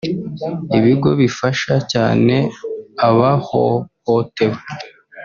ibigo bifasha cyane abahohotewe